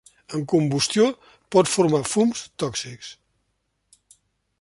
En combustió, pot formar fums tòxics.